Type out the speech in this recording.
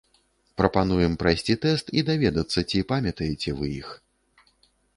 Прапануем прайсці тэст і даведацца, ці памятаеце вы іх.